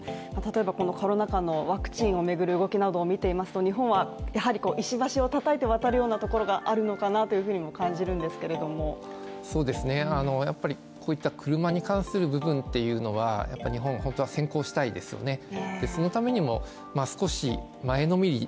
例えばこのコロナ禍のワクチンをめぐる動きなどを見ていますと日本はやはり石橋をたたいて渡るようなところがあるのかなというふうにも感じるんですけれどもやっぱりこういった車に関する部分っていうのは、やっぱり本当は先行したいですよね